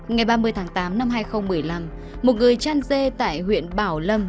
ngày ba mươi tháng tám năm hai nghìn một mươi năm một người chan dê tại huyện bảo lâm